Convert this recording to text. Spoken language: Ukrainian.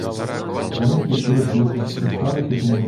За ним пішли другі і стали під муром.